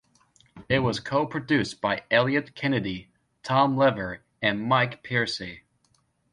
It was co-produced by Eliot Kennedy, Tim Lever and Mike Percy.